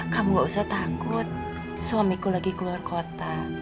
kamu gak usah takut suamiku lagi keluar kota